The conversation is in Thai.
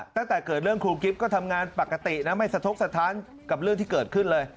ตั้งแต่เกิดเรื่องครูกิ๊บก็ทำงานปกตินะไม่สะทกสะท้านกับเรื่องที่เกิดขึ้นเลย